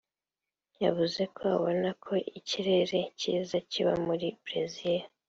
yavuze ko abona ko ikirere cyiza kiba muri Brezil